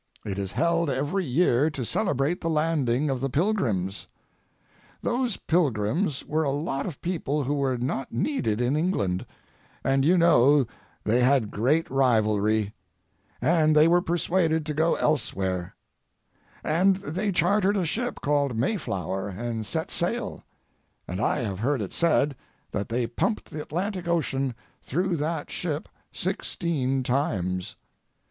It is held every year to celebrate the landing of the Pilgrims. Those Pilgrims were a lot of people who were not needed in England, and you know they had great rivalry, and they were persuaded to go elsewhere, and they chartered a ship called Mayflower and set sail, and I have heard it said that they pumped the Atlantic Ocean through that ship sixteen times.